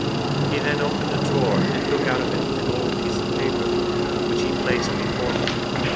He then opened a drawer and took out of it an old piece of paper, which he placed before me.